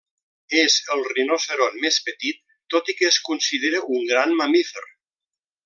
És el rinoceront més petit, tot i que es considera un gran mamífer.